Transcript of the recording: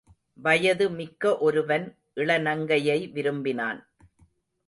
வயது மிக்க ஒருவன் இளநங்கையை விரும்பினான்.